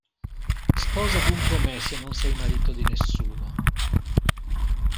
Sposa dunque me, se non sei marito di nessuno.